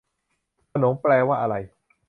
ขนงแปลว่าอะไร